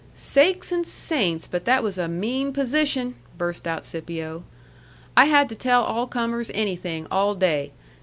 "Sakes and saints, but that was a mean position!" burst out Scipio. "I had to tell all comers anything all day.